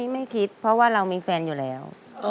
ไม่คิดเพราะว่าเรามีแฟนอยู่แล้ว